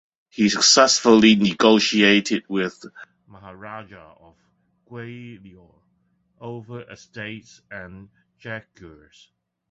He successfully negotiated with Maharaja of Gwalior over estates and Jagirs.